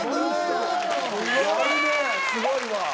すごいわ。